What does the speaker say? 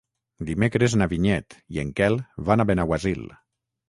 Dimecres na Vinyet i en Quel van a Benaguasil.